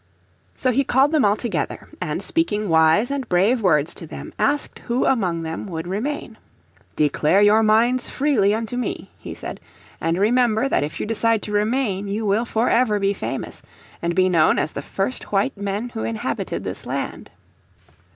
So he called them all together, and speaking wise and brave words to them asked who among them would remain. "Declare your minds freely unto me," he said, "and remember that if you decide to remain you will for ever be famous, and be known as the first white men who inhabited this land."